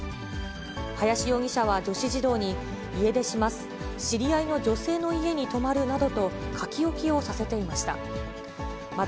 林容疑者は女子児童に、家出します、知り合いの女性の家に泊まるなどと、書き置きをさせていました。